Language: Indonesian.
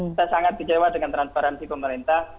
kita sangat kecewa dengan transparansi pemerintah